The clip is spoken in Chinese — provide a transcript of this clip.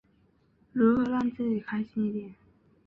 如何让自己开心一点？